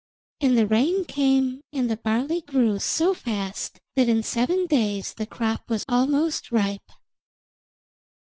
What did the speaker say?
And the rain came, and the barley grew so fast that in seven days the crop was almost ripe.